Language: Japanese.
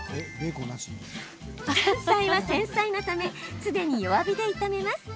山菜は繊細なため常に弱火で炒めます。